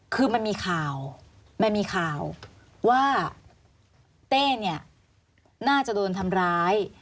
คือมันมีข่าวมันมีข่าวว่าเต้เนี่ยน่าจะโดนทำร้าย